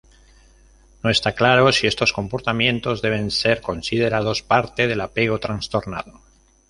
No está claro si estos comportamientos deben ser considerados parte del apego trastornado.